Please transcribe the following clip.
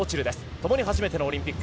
ともに初めてのオリンピック。